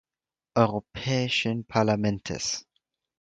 Europäischen Parlamentes